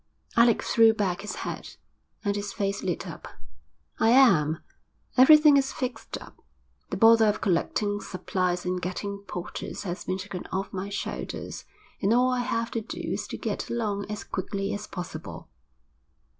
Alec threw back his head, and his face lit up. 'I am. Everything is fixed up; the bother of collecting supplies and getting porters has been taken off my shoulders, and all I have to do is to get along as quickly as possible.'